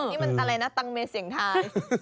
นี่มันอะไรนะตังเมเสียงทาย